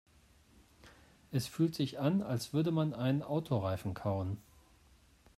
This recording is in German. Es fühlt sich an, als würde man einen Autoreifen kauen.